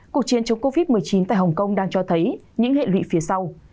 cuộc chiến chống covid một mươi chín tại hồng kông đang cho thấy những hệ lụy phía sau